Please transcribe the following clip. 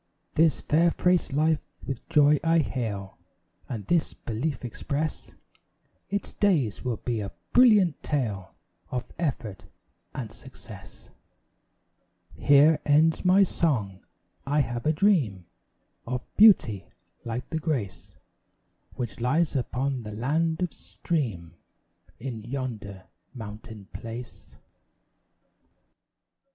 This fair fresh life with joy I hail, And this belief express, Its days will be a brilliant tale Of effort and success. Here ends my song; I have a dream Of beauty like the grace Which lies upon the land of stream In yonder mountain place.